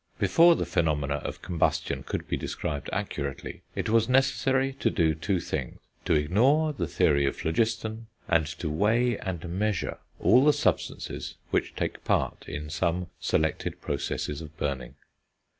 Before the phenomena of combustion could be described accurately, it was necessary to do two things; to ignore the theory of phlogiston, and to weigh and measure all the substances which take part in some selected processes of burning.